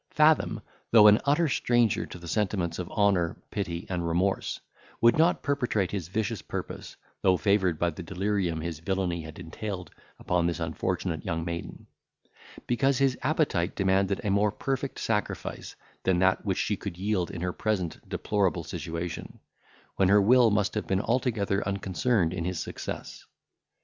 Fathom, though an utter stranger to the sentiments of honour, pity, and remorse, would not perpetrate his vicious purpose, though favoured by the delirium his villany had entailed upon this unfortunate young maiden; because his appetite demanded a more perfect sacrifice than that which she could yield in her present deplorable situation, when her will must have been altogether unconcerned in his success.